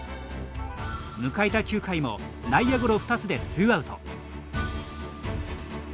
迎えた９回も内野ゴロ２つでツーアウト。